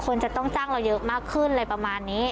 คนจะต้องจ้างเราเยอะมากขึ้นอะไรประมาณนี้